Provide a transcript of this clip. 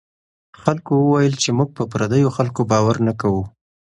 خلکو وویل چې موږ په پردیو خلکو باور نه کوو.